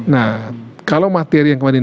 nah kalau materi yang kemarin